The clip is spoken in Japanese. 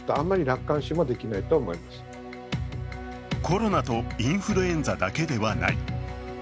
コロナとインフルエンザだけではない。